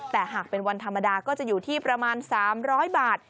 แต่หากเป็นวันธรรมดาก็จะอยู่ที่ประมาณ๓๐๐บาท